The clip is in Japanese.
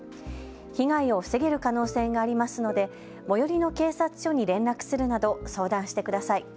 被害を防げる可能性がありますので最寄りの警察署に連絡するなど相談してください。